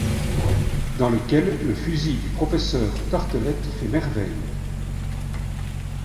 Dans lequel le fusil du professeur Tartelett fait merveille